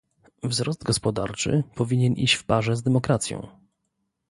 Wzrost gospodarczy powinien iść w parze z demokracją